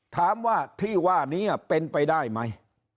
ถามว่าที่ว่านี้เป็นไปได้ไหม